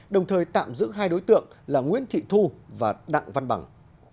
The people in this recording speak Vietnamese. đồng thời tạm giữ hai đối tượng là nguyễn thị thu và đặng văn bằng